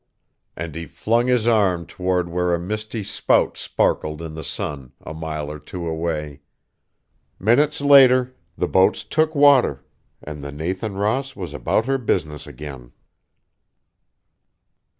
And he flung his arm toward where a misty spout sparkled in the sun a mile or two away. Minutes later, the boats took water; and the Nathan Ross was about her business again.